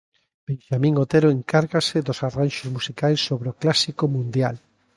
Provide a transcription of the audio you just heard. Benxamín Otero encárgase dos arranxos musicais sobre o clásico mundial.